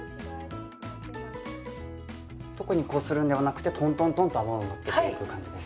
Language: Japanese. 特にこするんではなくてトントントンと泡をのっけていく感じですね。